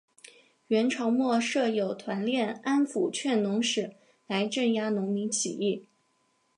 元朝末设有团练安辅劝农使来镇压农民起义。